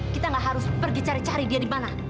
kita nggak harus pergi cari cari dia di mana